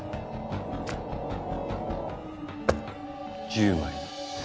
１０枚で。